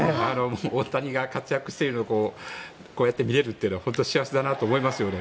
大谷が活躍しているのをこうやって見られるのは本当に幸せだなと思いますよね。